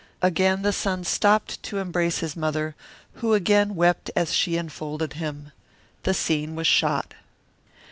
Again the son stopped to embrace his mother, who again wept as she enfolded him. The scene was shot.